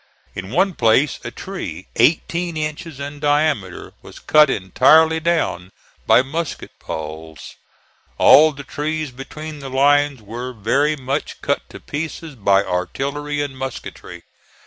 In one place a tree, eighteen inches in diameter, was cut entirely down by musket balls. All the trees between the lines were very much cut to pieces by artillery and musketry.